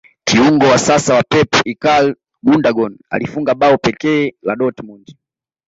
kiungo wa sasa wa pep ikaly gundagon alifunga bao pekee la dortmond